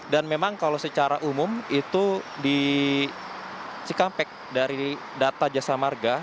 dan memang kalau secara umum itu di cikampek dari data jasa marga